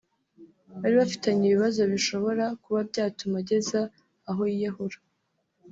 bari bafitanye ibibazo bishobora kuba byatumye ageza aho yiyahura